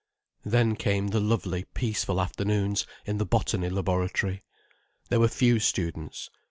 Then came the lovely, peaceful afternoons in the botany laboratory. There were few students.